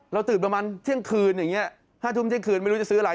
ตื่นประมาณเที่ยงคืนอย่างนี้๕ทุ่มเที่ยงคืนไม่รู้จะซื้ออะไร